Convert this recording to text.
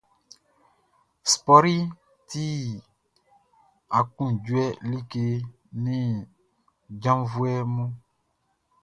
Spɔriʼn ti aklunjuɛ like nin janvuɛ mun.